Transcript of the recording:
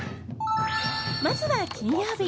まずは、金曜日。